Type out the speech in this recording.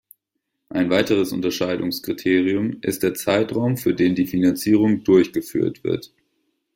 Ein weiteres Unterscheidungskriterium ist der Zeitraum für den die Finanzierung durchgeführt wird.